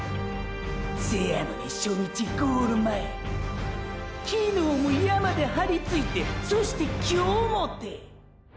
せやのに初日ゴール前昨日も山ではりついてそして今日もて！！